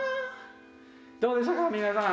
どうでしたか皆さん。